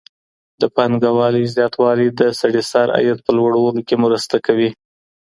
د پانګوني زیاتوالی د سړي سر عاید په لوړولو کي مرسته کوي.